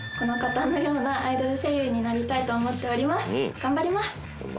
頑張ります！